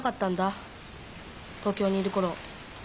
東京にいるころ。